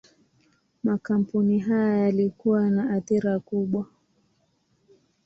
Makampuni haya yalikuwa na athira kubwa.